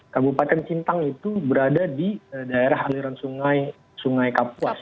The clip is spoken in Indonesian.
kabupaten sintang itu berada di daerah aliran sungai kapuas